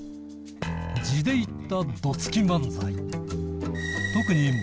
地でいったどつき漫才。